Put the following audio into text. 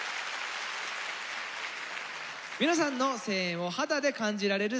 皆さんの声援を肌で感じられるステージ。